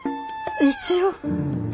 一応。